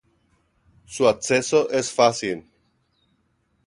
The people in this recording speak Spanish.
Su acceso es fácil.